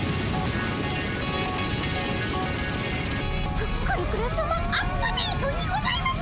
くくるくるさまアップデートにございます！